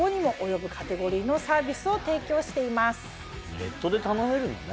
ネットで頼めるんだね。